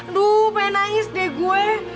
lu pengen nangis deh gue